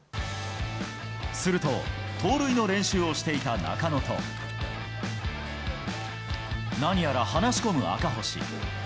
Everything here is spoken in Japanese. すると、盗塁の練習をしていた中野と、何やら話し込む赤星。